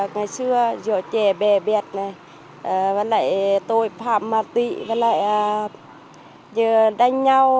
ngày xưa giữa trẻ bé bẹt này với lại tôi phạm mạc tị với lại đánh nhau